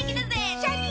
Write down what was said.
シャキン！